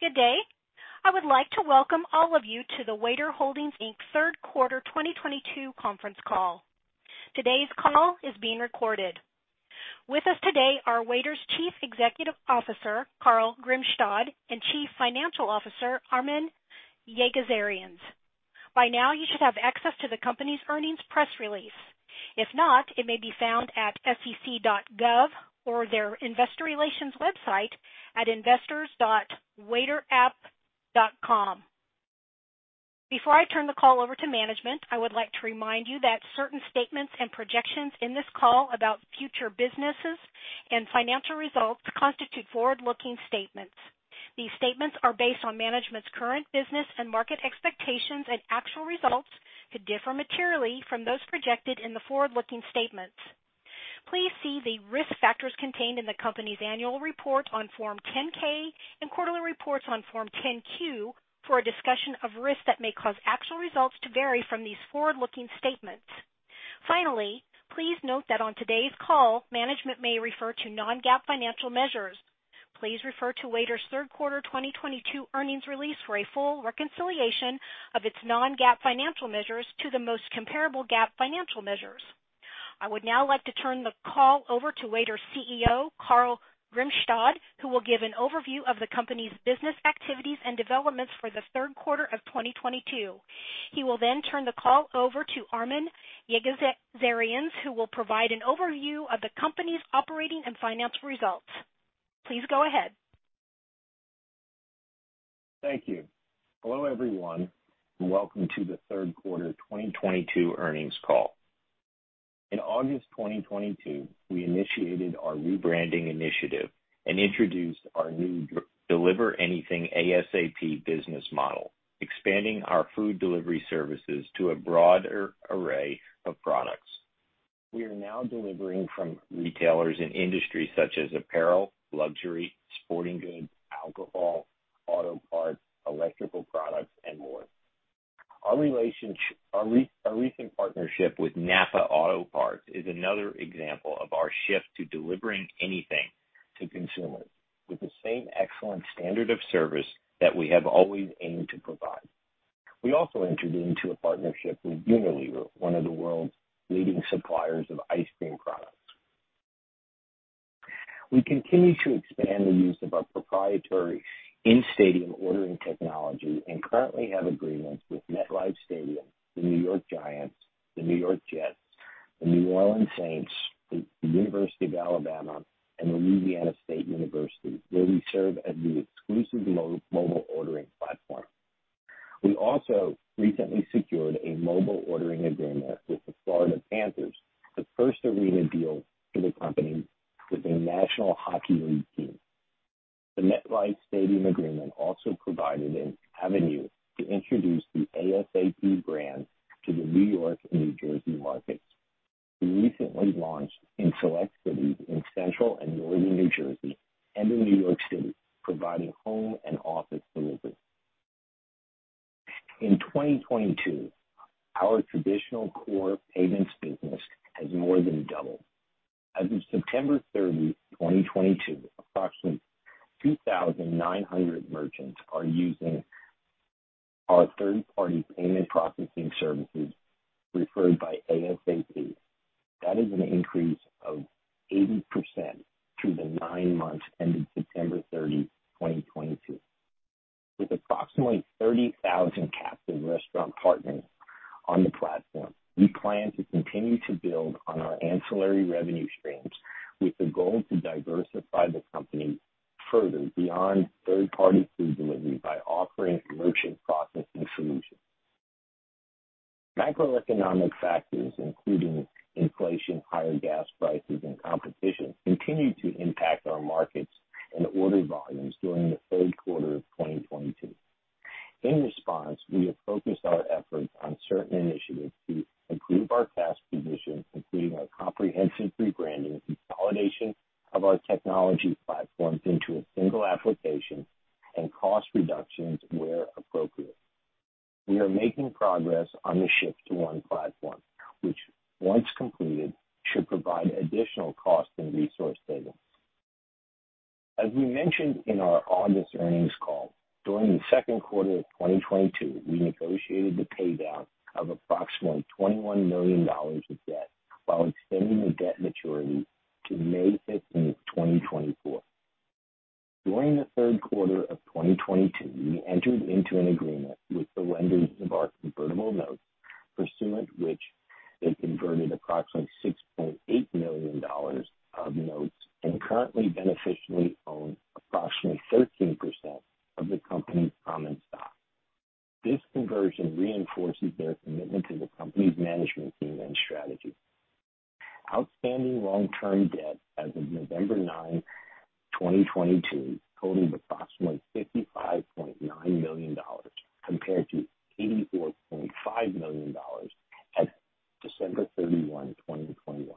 Good day. I would like to welcome all of you to the Waitr Holdings, Inc. Third Quarter 2022 Conference Call. Today's call is being recorded. With us today are Waitr's Chief Executive Officer, Carl Grimstad, and Chief Financial Officer, Armen Yeghyazarians. By now, you should have access to the company's earnings press release. If not, it may be found at sec.gov or their investor relations website at investors.waitrapp.com. Before I turn the call over to management, I would like to remind you that certain statements and projections in this call about future businesses and financial results constitute forward-looking statements. These statements are based on management's current business and market expectations, and actual results could differ materially from those projected in the forward-looking statements. Please see the risk factors contained in the company's annual report on Form 10-K and quarterly reports on Form 10-Q for a discussion of risks that may cause actual results to vary from these forward-looking statements. Finally, please note that on today's call, management may refer to non-GAAP financial measures. Please refer to Waitr's third quarter 2022 earnings release for a full reconciliation of its non-GAAP financial measures to the most comparable GAAP financial measures. I would now like to turn the call over to Waitr's CEO, Carl Grimstad, who will give an overview of the company's business activities and developments for the third quarter of 2022. He will then turn the call over to Armen Yeghyazarians, who will provide an overview of the company's operating and financial results. Please go ahead. Thank you. Hello, everyone, and welcome to the Third Quarter 2022 Earnings Call. In August 2022, we initiated our rebranding initiative and introduced our new Deliver Anything ASAP business model, expanding our food delivery services to a broader array of products. We are now delivering from retailers in industries such as apparel, luxury, sporting goods, alcohol, auto parts, electrical products, and more. Our recent partnership with NAPA Auto Parts is another example of our shift to delivering anything to consumers with the same excellent standard of service that we have always aimed to provide. We also entered into a partnership with Unilever, one of the world's leading suppliers of ice cream products. We continue to expand the use of our proprietary in-stadium ordering technology and currently have agreements with MetLife Stadium, the New York Giants, the New York Jets, the New Orleans Saints, the University of Alabama, and the Louisiana State University, where we serve as the exclusive mobile ordering platform. We also recently secured a mobile ordering agreement with the Florida Panthers, the first arena deal for the company with a National Hockey League team. The MetLife Stadium agreement also provided an avenue to introduce the ASAP brand to the New York and New Jersey markets. We recently launched in select cities in Central and Northern New Jersey and in New York City, providing home and office delivery. In 2022, our markets and order volumes during the third quarter of 2022. In response, we have focused our efforts on certain initiatives to improve our cash position, including our comprehensive rebranding, consolidation of our technology platforms into a single application, and cost reductions where appropriate. We are making progress on the shift to one platform, which, once completed, should provide additional cost and resource savings. As we mentioned in our August earnings call, during the second quarter of 2022, we negotiated the paydown of approximately $21 million of debt while extending the debt maturity to May 15th, 2024. During the third quarter of 2022, we entered into an agreement with the lenders of our convertible notes pursuant to which they converted approximately $6.8 million of notes and currently beneficially own approximately 13% of the company's common stock. This conversion reinforces their commitment to the company's management team and strategy. Outstanding long-term debt as of November 9, 2022, totaled approximately $55.9 million compared to $84.5 million as of December 31, 2021.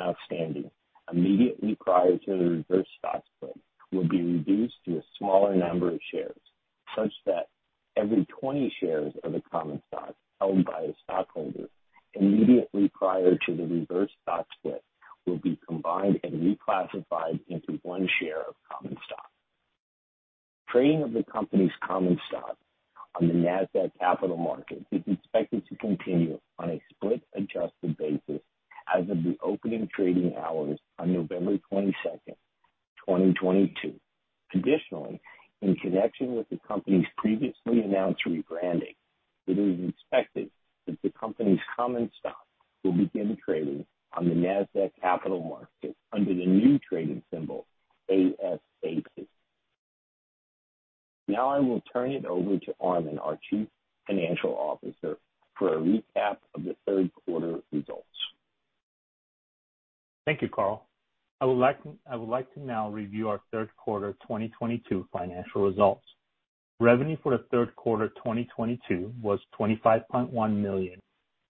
outstanding immediately prior to the reverse stock split will be reduced to a smaller number of shares, such that every 20 shares of the common stock held by a stockholder immediately prior to the reverse stock split will be combined and reclassified into one share of common stock. Trading of the company's common stock on the Nasdaq Capital Market is expected to continue on a split-adjusted basis as of the opening trading hours on November 22nd, 2022. Additionally, in connection with the company's previously announced rebranding, it is expected that the company's common stock will begin trading on the Nasdaq Capital Market under the new trading symbol ASAP. Now I will turn it over to Armen, our Chief Financial Officer, for a recap of the third quarter results. Thank you, Carl. I would like to now review our third quarter 2022 financial results. Revenue for the third quarter 2022 was $25.1 million,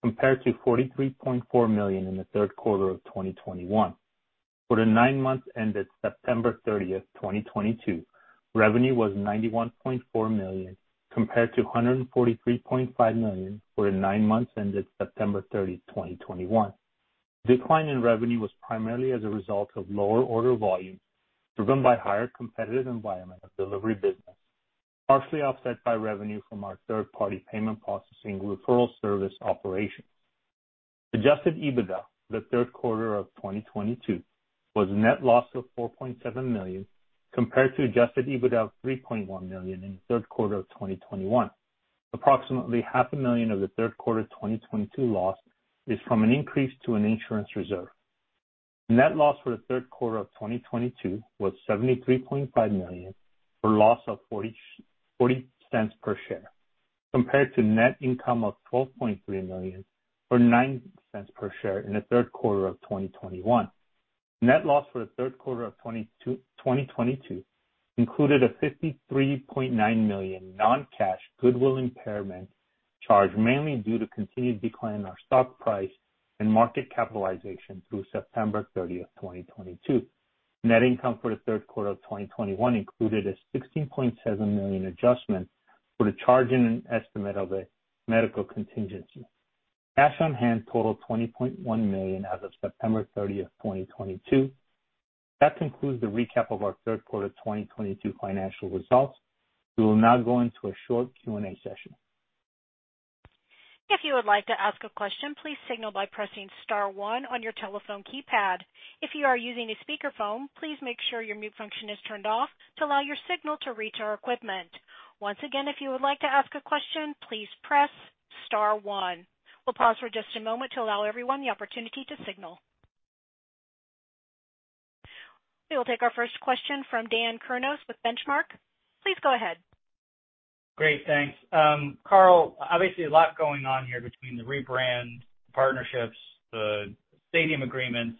compared to $43.4 million in the third quarter of 2021. For the nine months ended September 30, 2022, revenue was $91.4 million, compared to $143.5 million for the nine months ended September 30, 2021. Decline in revenue was primarily as a result of lower order volumes, driven by highly competitive environment of delivery business, partially offset by revenue from our third-party payment processing referral service operations. Adjusted EBITDA for the third quarter of 2022 was a net loss of $4.7 million, compared to Adjusted EBITDA of $3.1 million in the third quarter of 2021. Approximately $0.5 million of the third quarter 2022 loss is from an increase to an insurance reserve. Net loss for the third quarter of 2022 was $73.5 million, for a loss of $0.40 per share, compared to net income of $12.3 million, or $0.09 per share in the third quarter of 2021. Net loss for the third quarter of 2022 included a $53.9 million non-cash goodwill impairment charge, mainly due to continued decline in our stock price and market capitalization through September 30th, 2022. Net income for the third quarter of 2021 included a $16.7 million adjustment for the charge in an estimate of a medical contingency. Cash on hand totaled $20.1 million as of September 30th, 2022. That concludes the recap of our third quarter 2022 financial results. We will now go into a short Q&A session. If you would like to ask a question, please signal by pressing star one on your telephone keypad. If you are using a speakerphone, please make sure your mute function is turned off to allow your signal to reach our equipment. Once again, if you would like to ask a question, please press star one. We'll pause for just a moment to allow everyone the opportunity to signal. We will take our first question from Daniel Kurnos with The Benchmark Company. Please go ahead. Great, thanks. Carl, obviously a lot going on here between the rebrand, partnerships, the stadium agreements.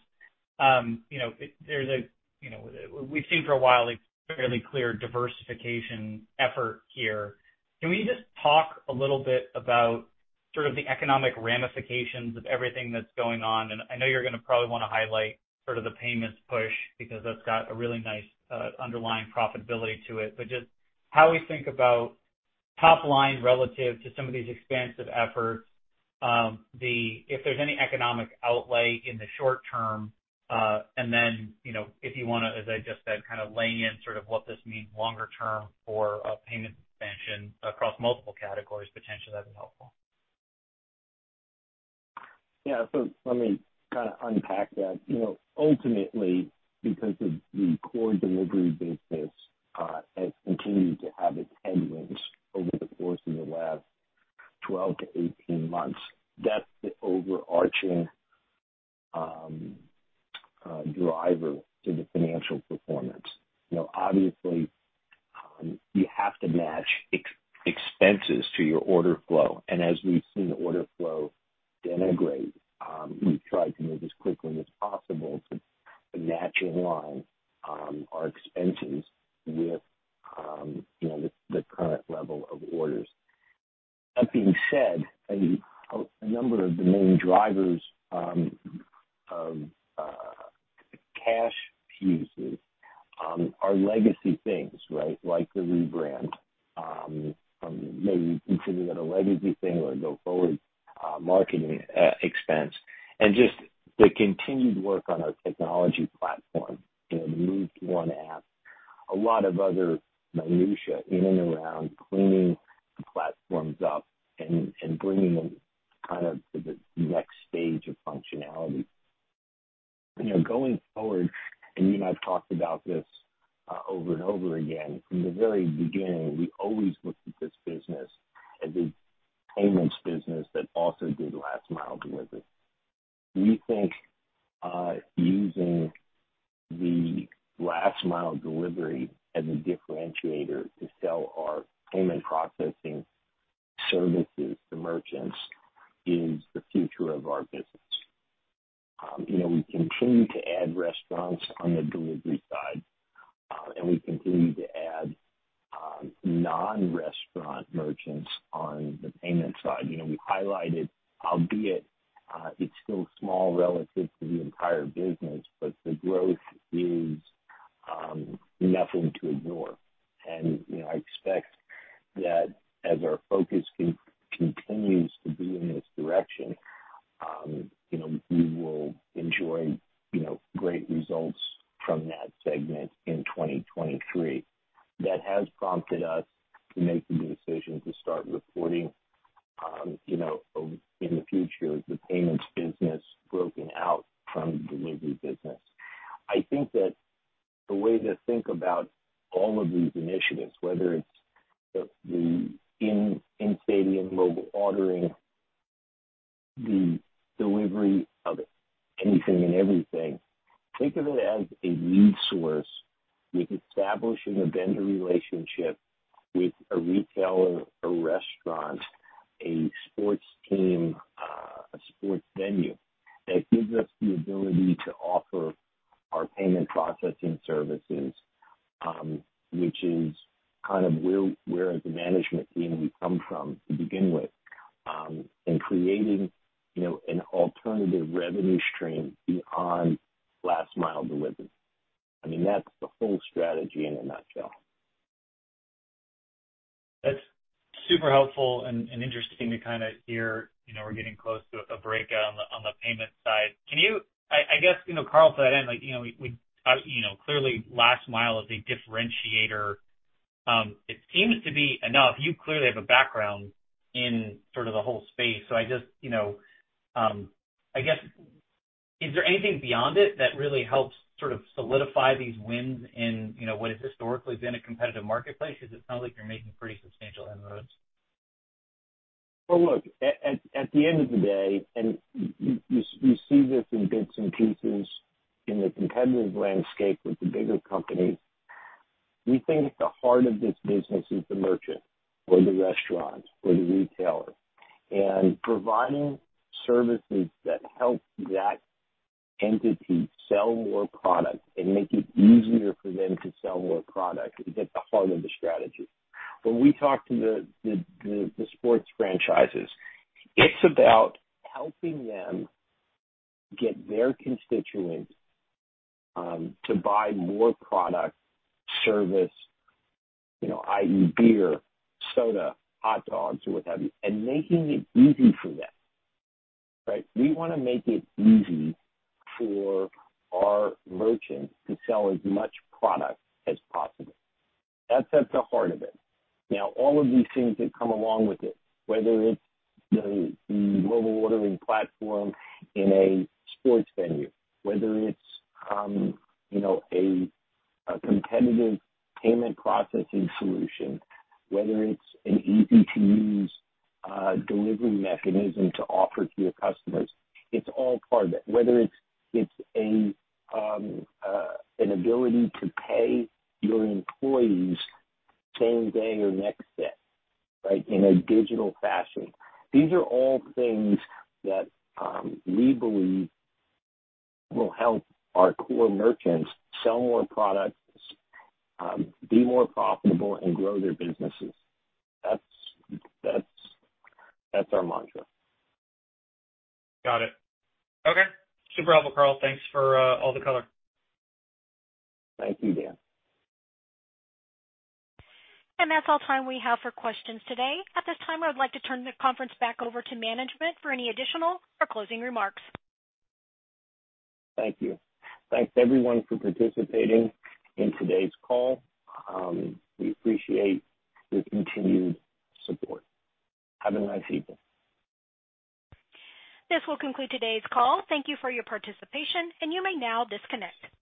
You know, there's a, you know, we've seen for a while a fairly clear diversification effort here. Can we just talk a little bit about sort of the economic ramifications of everything that's going on? I know you're gonna probably wanna highlight sort of the payments push because that's got a really nice underlying profitability to it. Just how we think about top line relative to some of these expansive efforts. If there's any economic outlay in the short term. You know, if you wanna, as I just said, kind of layering in sort of what this means longer term for a payment expansion across multiple categories, potentially that'd be helpful. Yeah. Let me kinda unpack that. You know, ultimately, because of the core delivery business has continued to have its headwinds over the course of the last 12 to 18 months, that's the overarching driver to the financial performance. You know, obviously, you have to match expenses to your order flow. As we've seen the order flow decline, we've tried to move as quickly as possible to matching our expenses with, you know, the current level of orders. That being said, a number of the main drivers, key pieces, are legacy things, right? Like the rebrand from maybe you consider that a legacy thing or a go-forward marketing expense. Just the continued work on our technology platform and Move One app. A lot of other minutiae in and around cleaning the platforms up and bringing them kind of to the next stage of functionality. You know, going forward, and you and I've talked about this over and over again. From the very beginning, we always looked at this business as a payments business that also did last mile delivery. We think using the last mile delivery as a differentiator to sell our payment processing services to merchants is the future of our business. You know, we continue to add restaurants on the delivery side, and we continue to add non-restaurant merchants on the payment side. You know, we've highlighted, albeit it's still small relative to the entire business, but the growth is nothing to ignore. I expect that as our focus continues to be in this direction, you know, we will enjoy, you know, great results from that segment in 2023. That has prompted us to making the decision to start reporting, you know, in the future, the payments business broken out from the delivery business. I think that the way to think about all of these initiatives, whether it's the in-stadium mobile ordering, the delivery of anything and everything, think of it as a lead source. We've established in the vendor relationship with a retailer, a restaurant, a sports team, a sports venue that gives us the ability to offer our payment processing services, which is kind of where as a management team we come from to begin with, in creating, you know, an alternative revenue stream beyond last mile delivery. I mean, that's the whole strategy in a nutshell. That's super helpful and interesting to kinda hear. You know, we're getting close to a breakout on the payment side. I guess, you know, Carl, to that end, like, you know we, you know, clearly last mile is a differentiator. It seems to be enough. You clearly have a background in sort of the whole space. I just, you know, I guess, is there anything beyond it that really helps sort of solidify these wins in, you know, what has historically been a competitive marketplace? Because it sounds like you're making pretty substantial inroads. Well, look, at the end of the day, you see this in bits and pieces in the competitive landscape with the bigger companies. We think at the heart of this business is the merchant or the restaurant or the retailer, and providing services that help that entity sell more product and make it easier for them to sell more product is at the heart of the strategy. When we talk to the sports franchises, it's about helping them get their constituents to buy more product, service, you know, i.e. beer, soda, hot dogs or what have you, and making it easy for them, right? We wanna make it easy for our merchants to sell as much product as possible. That's at the heart of it. Now, all of these things that come along with it, whether it's the mobile ordering platform in a sports venue, whether it's, you know, a competitive payment processing solution, whether it's an easy-to-use delivery mechanism to offer to your customers, it's all part of it. Whether it's an ability to pay your employees same day or next day, right, in a digital fashion. These are all things that we believe will help our core merchants sell more products, be more profitable and grow their businesses. That's our mantra. Got it. Okay. Super helpful, Carl. Thanks for all the color. Thank you, Dan. That's all the time we have for questions today. At this time, I would like to turn the conference back over to management for any additional or closing remarks. Thank you. Thanks everyone for participating in today's call. We appreciate your continued support. Have a nice evening. This will conclude today's call. Thank you for your participation, and you may now disconnect.